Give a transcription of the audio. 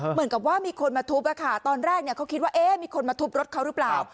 เหมือนกับว่ามีคนมาทุบตอนแรกเขาคิดว่ามีคนมาทุบรถเขาหรือเปล่า